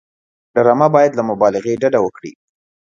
ډرامه باید له مبالغې ډډه وکړي